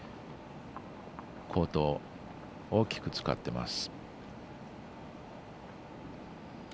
コートを大きく使ってます。